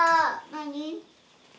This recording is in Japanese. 何？